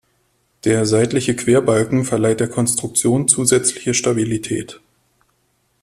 Der seitliche Querbalken verleiht der Konstruktion zusätzliche Stabilität.